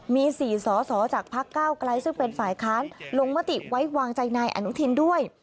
มี๔สอสอจากพักก้าวไกลซึ่งเป็นฝ่ายค้านลงมติไว้วางใจนายอนุทินด้วย